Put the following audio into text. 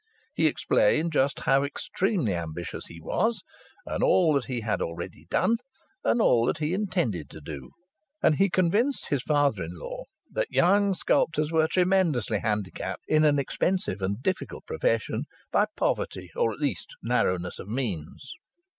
He explained just how extremely ambitious he was, and all that he had already done, and all that he intended to do. And he convinced his uncle in law that young sculptors were tremendously handicapped in an expensive and difficult profession by poverty or at least narrowness of means.